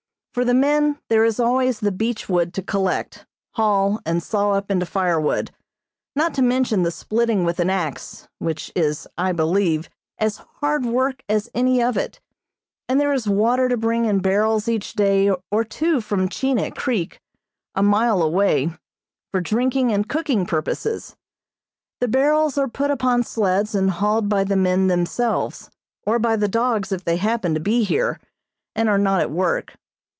For the men there is always the beach wood to collect, haul and saw up into firewood, not to mention the splitting with an axe, which is, I believe, as hard work as any of it, and there is water to bring in barrels each day or two from Chinik Creek, a mile away, for drinking and cooking purposes. The barrels are put upon sleds and hauled by the men themselves, or by the dogs if they happen to be here, and are not at work.